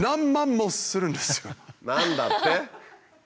何だって？